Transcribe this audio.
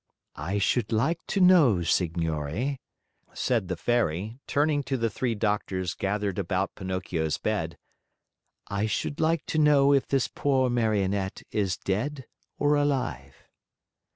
"I should like to know, signori," said the Fairy, turning to the three doctors gathered about Pinocchio's bed, "I should like to know if this poor Marionette is dead or alive."